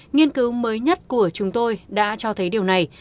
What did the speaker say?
nghiên cứu mới nhất của chúng tôi đã cho thấy điều này